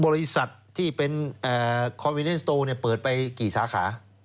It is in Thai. บริษัทที่เป็นคอมมิเนสโตเปิดไปกี่สาขา